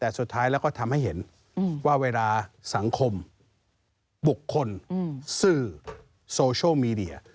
แต่สุดท้ายแล้วก็ทำให้เห็นว่าเวลาสังคมบุคคลสื่อโซเชียลมีเดีย